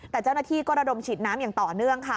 แต่เจ้าหน้าที่ก็ระดมฉีดน้ำอย่างต่อเนื่องค่ะ